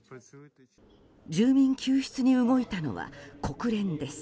住民救出に動いたのは国連です。